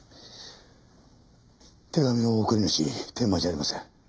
手紙の送り主天馬じゃありません。